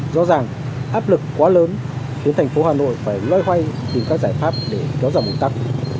do rằng áp lực quá lớn khiến thành phố hà nội phải loay hoay tìm các giải pháp để kéo dòng ổn tắc